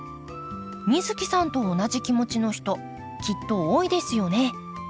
美月さんと同じ気持ちの人きっと多いですよね。